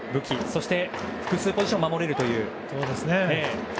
そして、複数ポジションを守れるという。